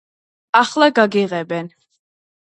- ახლა გაგიღებენ!